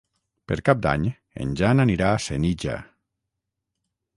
Per Cap d'Any en Jan anirà a Senija.